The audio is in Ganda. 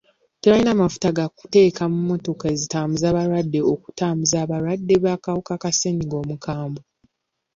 Tebalina mafuta ga kuteeka mu mmotoka zitambuza balwadde okutambuza abalwadde b'akawuka ka ssenyiga omukambwe.